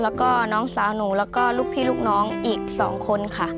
แล้วก็น้องสาวหนูแล้วก็ลูกพี่ลูกน้องอีก๒คนค่ะ